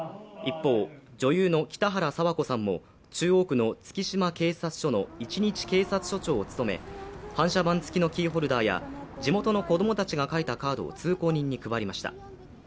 一方、女優の北原佐和子さんも中央区の月島警察署の一日警察署長を務め、反射板つきのキーホルダーや地元の子供たちが書いたカードを通行人に配りました。